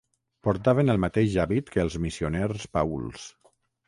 Portaven el mateix hàbit que els Missioners Paüls.